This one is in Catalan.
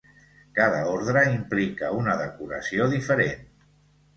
Cada ordre implica una decoració diferent.